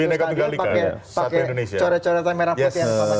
kita nyampur dalam satu stadion pakai corek corek merah putih yang sama